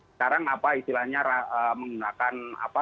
sekarang apa istilahnya menggunakan apa